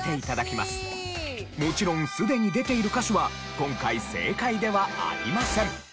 もちろんすでに出ている歌手は今回正解ではありません。